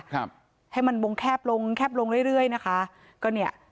ครับให้มันวงแคบลงแคบลงเรื่อยเรื่อยนะคะก็เนี่ย